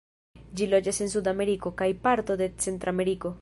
Ĝi loĝas en Sudameriko, kaj partoj de Centrameriko.